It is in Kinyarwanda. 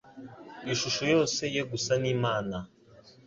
ishusho yose yo gusa n'Imana.